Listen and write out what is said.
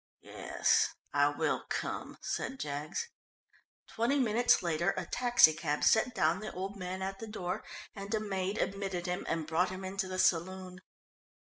"Yes, I will come," said Jaggs. Twenty minutes later a taxicab set down the old man at the door, and a maid admitted him and brought him into the saloon.